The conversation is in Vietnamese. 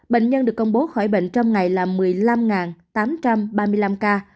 bệnh nhân được công bố khỏi bệnh trong ngày là một mươi năm tám trăm ba mươi năm ca